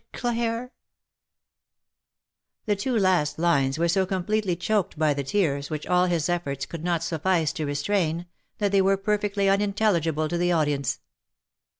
106 THE LIFE AND ADVENTURES The two last lines were so completely choked by the tears, which all his efforts could not suffice to restrain, that they were perfectly unintelligible to the audience.